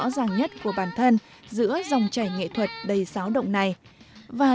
dạ cháu cảm ơn bác ạ